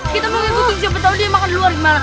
kita mau ngikutin siapa tau dia makan di luar di mana